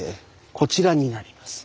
こちらになります。